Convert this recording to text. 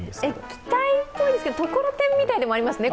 液体っぽいですけどところてんっぽくもありますね。